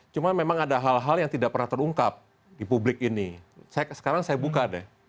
cuma memang ada hal hal yang tidak pernah terungkap di publik ini sekarang saya buka deh